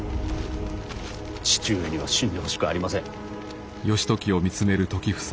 父上には死んでほしくありません。